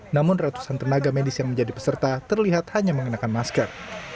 namun ratusan tenaga medis yang menjadi peserta terlihat hanya mengenakan masker